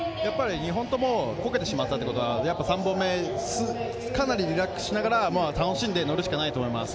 ２本ともこけてしまったってことは３本目、かなりリラックスしながら楽しんで乗るしかないと思います。